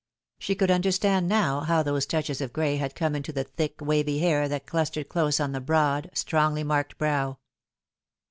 She could understand now how those touches of gray had come in the thick wavy hair that clustered close on the broad, strongly marked brow.